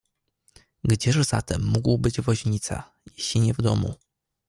"Gdzież zatem mógł być woźnica, jeśli nie w domu?"